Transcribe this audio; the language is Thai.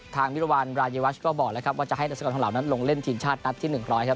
ทางมิรวารราเยวัชก็บอกว่าจะให้รัศกรรมทรงเหล่านั้นลงเล่นทีมชาตินับที่๑๐๐